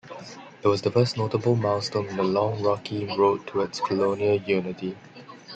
It was the first notable milestone on the long rocky road towards colonial unity.